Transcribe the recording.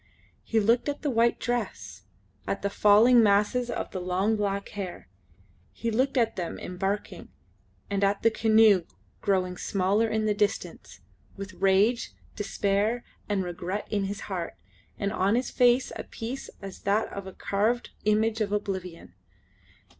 He looked at the white dress, at the falling masses of the long black hair. He looked at them embarking, and at the canoe growing smaller in the distance, with rage, despair, and regret in his heart, and on his face a peace as that of a carved image of oblivion.